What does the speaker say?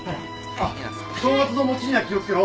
あっ正月の餅には気を付けろ。